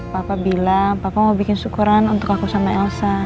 papa bilang papa mau bikin syukuran untuk aku sama elsa